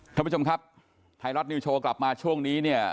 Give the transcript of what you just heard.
ท่านผู้ชมครับไทยรัฐนิวโชว์กลับมาช่วงนี้เนี่ย